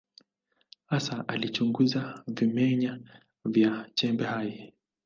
Hasa alichunguza vimeng’enya vya chembe hai.